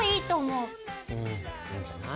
うんいいんじゃない。